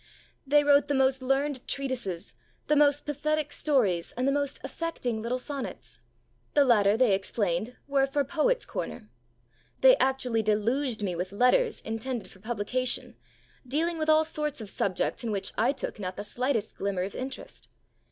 They wrote the most learned treatises, the most pathetic stories, and the most affecting little sonnets. The latter, they explained, were for Poet's Corner. They actually deluged me with letters, intended for publication, dealing with all sorts of subjects in which I took not the slightest glimmer of interest.